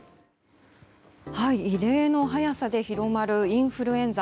異例の速さで広まるインフルエンザ。